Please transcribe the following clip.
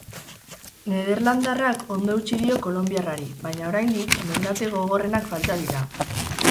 Nederlandarrak ondo eutsi dio kolonbiarrari, baina oraindik mendate gogorrenak falta dira.